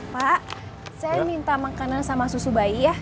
pak saya minta makanan sama susu bayi ya